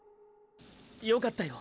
よかったよ